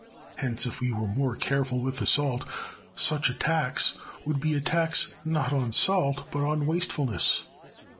Hence, if we were more careful with the salt, such a tax would be a tax not on salt but on wastefulness.